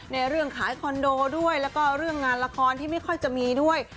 ในเรื่องขายคอนโดด้วยแล้วก็เรื่องงานละครที่ไม่ค่อยจะมีด้วย